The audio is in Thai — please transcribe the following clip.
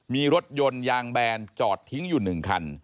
มีรถยนต์ยางแบนจอดทิ้งอยู่๑คัน